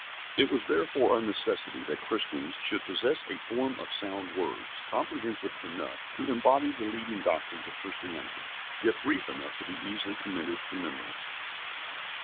It was therefore a necessity that Christians should possess "a form of sound words," comprehensive enough to embody the leading doctrines of Christianity, yet brief enough to be easily committed to memory.